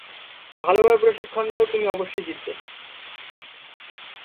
ভালভাবে প্রশিক্ষণ দাও, তুমি অবশ্যই জিতবে!